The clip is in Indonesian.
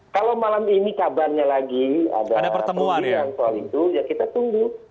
kalau malam ini kabarnya lagi ada pertemuan ya kita tunggu